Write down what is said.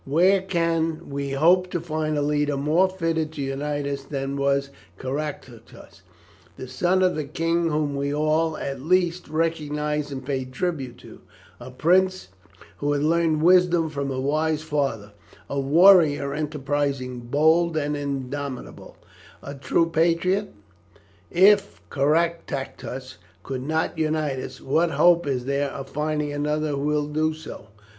Where can we hope to find a leader more fitted to unite us than was Caractacus, the son of the king whom we all, at least, recognized and paid tribute to; a prince who had learned wisdom from a wise father, a warrior enterprising, bold, and indomitable a true patriot? "If Caractacus could not unite us, what hope is there of finding another who would do so?